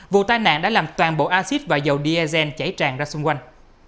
vụ tai nạn đã làm toàn bộ axit và dầu diazen chảy tràn ra xung quanh